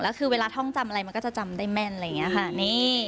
แล้วเวลาท้องจำอะไรมันก็จะจำได้แม่น